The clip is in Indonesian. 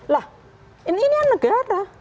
lah ini negara